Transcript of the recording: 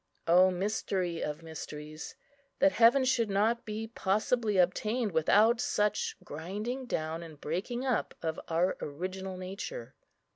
O mystery of mysteries, that heaven should not be possibly obtained without such grinding down and breaking up of our original nature!